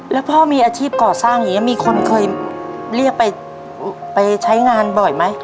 แล้วพ่อมีอาชีพก่อสร้างอย่างนี้มีคนเคยเรียกไปใช้งานบ่อยไหม